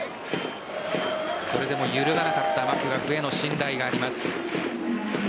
それでも揺るがなかったマクガフへの信頼があります。